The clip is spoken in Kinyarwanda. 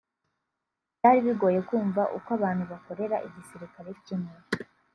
Byari bigoye kumva uko abantu bakorera igisirikare kimwe